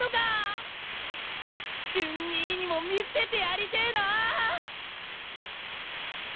瞬兄にも見せてやりてえなあ！